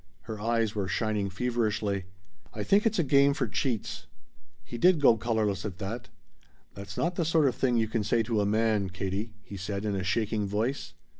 Her eyes were shining feverishly. "I think it's a game for cheats." He did go colorless at that. "That's not the sort of thing you can say to a man, Katie," he said in shaking voice.